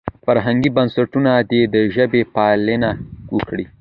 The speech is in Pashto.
فرهنګي بنسټونه دې د ژبې پالنه وکړي.